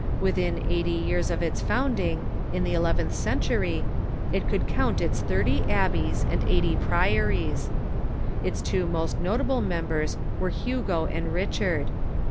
AVithin eighty years of its founding, in the eleventh century, it could 204 THE KEFORMATION count its thirty abbeys and eighty priories. Its two most not able members were Hugo and Richard.